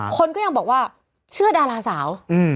คนก็ยังบอกว่าเชื่อดาราสาว